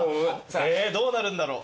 えどうなるんだろう。